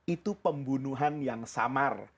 itu pembunuhan yang samar